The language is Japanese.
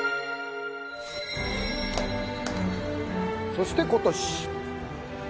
そして今年